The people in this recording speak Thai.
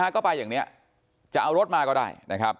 ก็ไปอย่างนี้จะเอารถมาก็ได้นะครับ